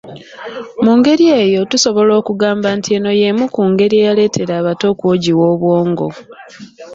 Mu ngeri eyo tusobola okugamba nti eno y’emu ku ngeri eyaleeteranga abato okwogiwa obwongo.